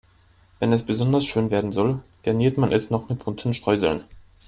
Wenn es besonders schön werden soll, garniert man es noch mit bunten Streuseln.